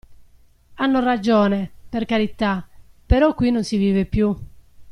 Hanno ragione, per carità, però qui non si vive più.